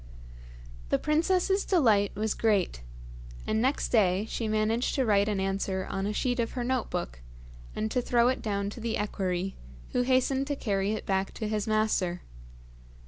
The princess's delight was great, and next day she managed to write an answer on a sheet of her note book, and to throw it down to the equerry, who hastened to carry it back to his master.